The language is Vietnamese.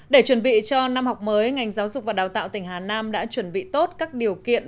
để chuẩn bị cho năm học mới ngành giáo dục và đào tạo tỉnh hà nam đã chuẩn bị tốt các điều kiện